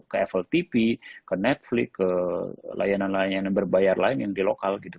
ke appl tv ke netflix ke layanan layanan berbayar lain yang di lokal gitu